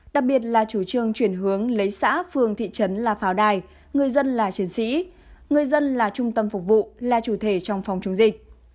đặc biệt là chủ trương chuyển hướng lấy xã phường thị trấn là pháo đài người dân là chiến sĩ người dân là trung tâm phục vụ là chủ thể trong phòng chống dịch